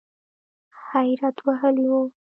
حیرت وهلی و .